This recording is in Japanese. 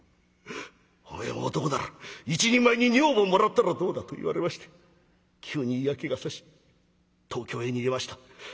おめえも男なら一人前に女房をもらったらどうだと言われまして急に嫌気がさし東京へ逃げました。